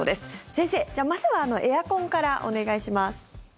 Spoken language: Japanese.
先生、じゃあまずはエアコンからお願いします。